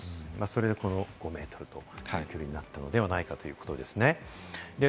それで５メートルという距離になったのでは、ということですね。